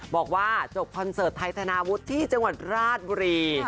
บอกว่าจบคอนเสิร์ตไทยธนาวุฒิที่จังหวัดราชบุรี